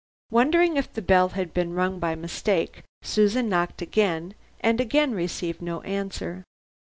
Wondering if the bell had been rung by mistake, Susan knocked again, and again received no answer.